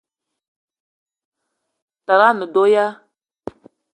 Tara a ne do ya?